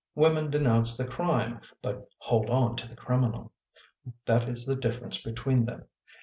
Women denounce the crime but hold onto the criminal. That is the difference between them.